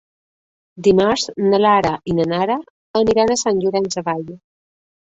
Dimarts na Lara i na Nara aniran a Sant Llorenç Savall.